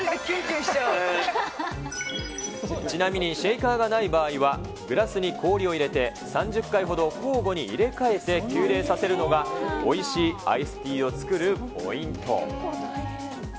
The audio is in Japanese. ちなみに、シェーカーがない場合は、グラスに氷を入れて３０回ほど交互に入れ替えて急冷させるのが、おいしいアイスティーを作るポイント。